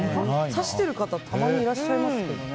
さしてる方たまにいらっしゃいますけどね。